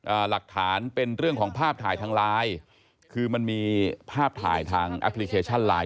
หลักฐานเป็นเรื่องของภาพถ่ายทางไลน์คือมันมีภาพถ่ายทางแอปพลิเคชันไลน